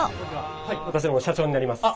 私どもの社長になります。